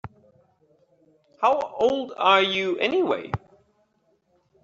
How old are you anyway?